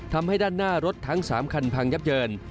ทำให้ด้านหน้ารถทั้ง๓คันพังยับเยิน